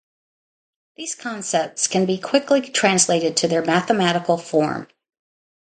These concepts can be quickly 'translated' to their mathematical form.